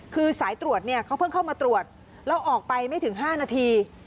คือสายตรวจเนี่ยเขาเพิ่งเข้ามาตรวจแล้วออกไปไม่ถึง๕นาที